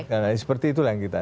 karena seperti itulah yang kita